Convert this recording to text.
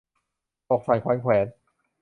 อกสั่นขวัญแขวน